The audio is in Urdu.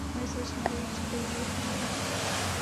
ہماری سوچ ‘ ہمارے رویے پرانے ہیں۔